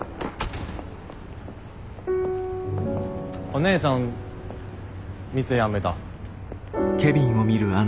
お姉さん店辞めた。